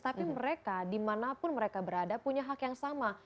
tapi mereka dimanapun mereka berada punya hak yang sama